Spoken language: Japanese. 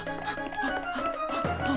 あっ！